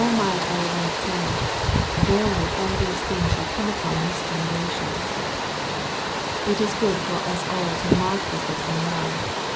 309 our Lord say, " Verily all these things shall come upon this generation/* It is good for us all to mark this lesson well.